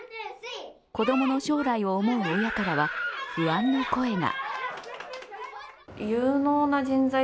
子供の将来を思う親からは不安の声が。